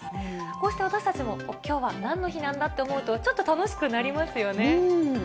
こうして私たちも、きょうはなんの日なんだと思うと、ちょっと楽しくなりますよね。